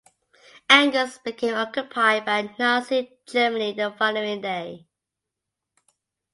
Angers became occupied by Nazi Germany the following day.